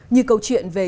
như câu chuyện về